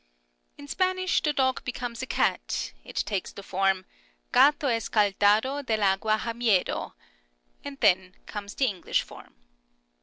In Spanish the dog becomes a cat ; it takes the form, " Gato escaldado del agua ha miedo "; and then comes the English form.